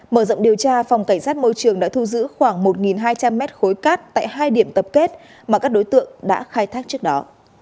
mở rộng điều tra phòng cảnh sát môi trường đã thu giữ khoảng một hai trăm linh mét khối cát tại hai điểm tập kết mà các đối tượng đã khai thác trước đó